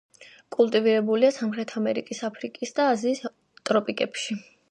კულტივირებულია სამხრეთ ამერიკის, აფრიკისა და აზიის ტროპიკებში.